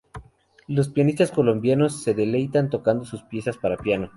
Los pianistas colombianos, se deleitan tocando sus piezas para piano.